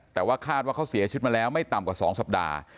แต่ว่าคาดว่าเขาเสียชีวิตมาแล้วไม่ต่ำกว่า๒สัปดาห์